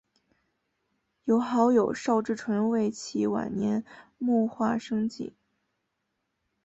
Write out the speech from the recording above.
由好友邵志纯为其晚年摹划生计。